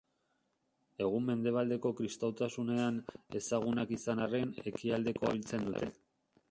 Egun mendebaldeko kristautasunean ezagunak izan arren, ekialdekoan ere erabiltzen dute.